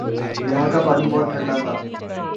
یہاں کا پانی بہت ٹھنڈا تھا ۔